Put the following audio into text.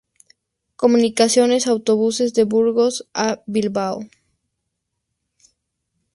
Comunicaciones: autobuses de Burgos a Bilbao.